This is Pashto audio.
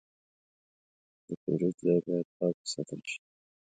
د پیرود ځای باید پاک وساتل شي.